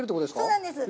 そうなんです。